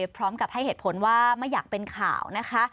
พร้อมกับให้เหตุผลว่าไม่อยากเป็นข่าวนะคะ